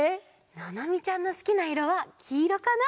ななみちゃんのすきないろはきいろかな？